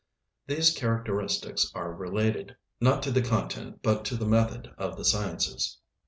These characteristics are related, not to the content, but to the method of the sciences.